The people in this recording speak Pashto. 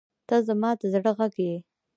• ته زما د زړه غږ یې.